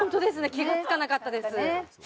気がつかなかったです